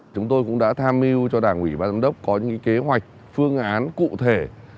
chúng tôi cũng đã tham mưu cho đảng ủy ban giám đốc có những kế hoạch phương án cụ thể